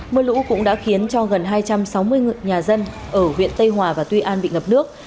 mưa lũ cũng đã khiến cho gần hai trăm sáu mươi nhà dân ở huyện tây hòa và tuy an bị ngập nước